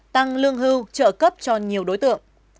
tăng lương hưu trợ cấp cho bệnh viện